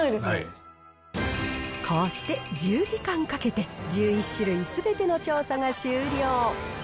こうして１０時間かけて、１１種類すべての調査が終了。